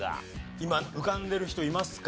今浮かんでる人いますか？